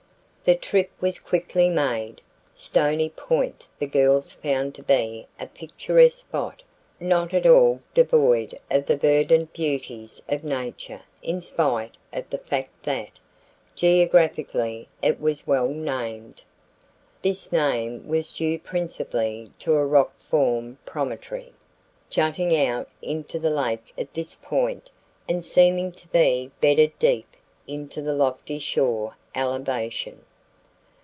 The trip was quickly made. Stony Point the girls found to be a picturesque spot not at all devoid of the verdant beauties of nature in spite of the fact that, geographically, it was well named. This name was due principally to a rock formed promontory, jutting out into the lake at this point and seeming to be bedded deep into the lofty shore elevation.